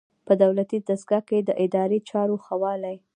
په دولتي دستګاه کې د اداري چارو ښه والی.